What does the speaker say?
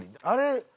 あれ？